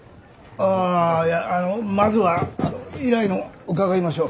あいやあのまずは依頼の伺いましょう。